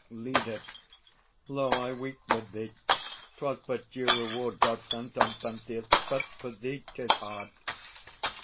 LEADER. Lo, I weep with thee. 'Twas but due reward God sent on Pentheus; but for thee ... 'Tis hard.